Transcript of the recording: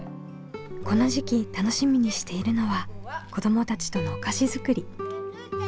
この時期楽しみにしているのは子どもたちとのお菓子作り。